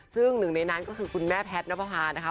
ซึ่งหนึ่งในนั้นก็คือคุณแม่แพทย์นับประพานะคะ